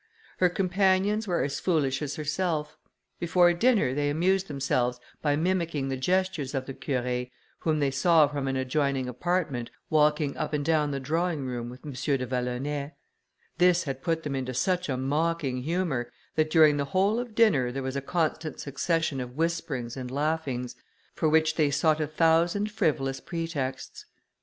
Her companions were as foolish as herself. Before dinner they amused themselves by mimicking the gestures of the Curé, whom they saw from an adjoining apartment, walking up and down the drawing room with M. de Vallonay; this had put them into such a mocking humour, that during the whole of dinner, there was a constant succession of whisperings and laughings, for which they sought a thousand frivolous pretexts.